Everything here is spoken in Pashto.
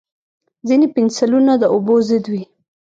ځینې پنسلونه د اوبو ضد وي.